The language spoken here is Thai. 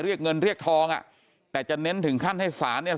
เรียกเงินเรียกทองอ่ะแต่จะเน้นถึงขั้นให้ศาลเนี่ย